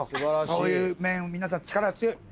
そういう皆さん力強い。